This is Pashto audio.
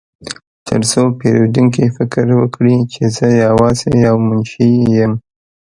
ترڅو پیرودونکي فکر وکړي چې زه یوازې یو منشي یم